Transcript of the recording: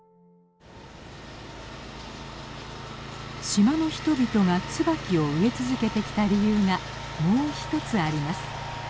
島の人々がツバキを植え続けてきた理由がもう一つあります。